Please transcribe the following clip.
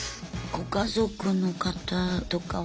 ご家族の方とかは。